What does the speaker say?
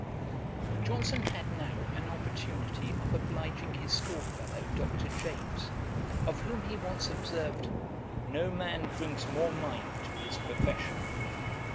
] Johnson had now an opportunity of obliging his schoolfellow Dr. James, of whom he once observed, 'no man brings more mind to his profession.